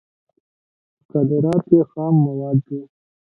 صادرات یې خام مواد دي.